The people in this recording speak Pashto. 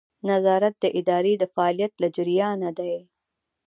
نظارت د ادارې د فعالیت له جریانه دی.